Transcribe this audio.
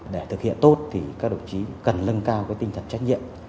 để thực hiện tốt thì các đồng chí cần lưng cao tinh thần trách nhiệm